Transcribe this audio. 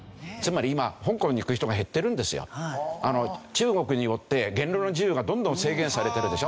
中国によって言論の自由がどんどん制限されてるでしょ。